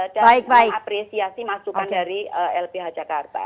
dan mengapresiasi masukan dari lph jakarta